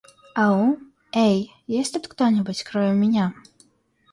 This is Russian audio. Ау? Эй, есть тут кто-нибудь, кроме меня?